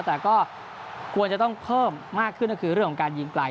แต่ก็ควรจะต้องเพิ่มมากขึ้นก็คือเรื่องของการยิงไกล